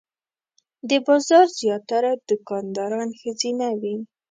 د بازار زیاتره دوکانداران ښځینه وې.